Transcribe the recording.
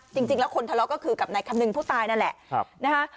จริงแล้วคนทะเลาะก็คือกับนายคำนึงผู้ตายนั่นแหละนะคะ